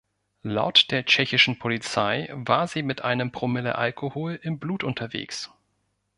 Laut der tschechischen Polizei war sie mit einem Promille Alkohol im Blut unterwegs.